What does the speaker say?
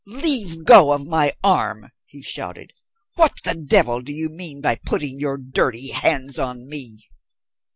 "Leave go of my arm," he shouted. "What the devil do you mean by putting your dirty hands on me?"